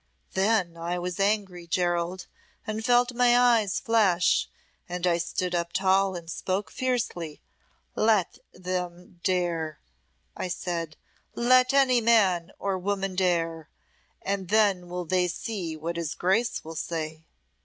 Then was I angry, Gerald, and felt my eyes flash, and I stood up tall and spoke fiercely: 'Let them dare,' I said 'let any man or woman dare, and then will they see what his Grace will say.'"